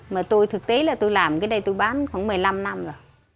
mà tôi thực tế là tôi làm cái đây tôi bán khoảng một mươi năm